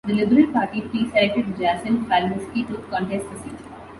The Liberal Party preselected Jason Falinski to contest the seat.